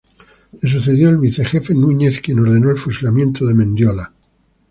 Le sucedió el Vicejefe Núñez, quien ordenó el fusilamiento de Mendiola.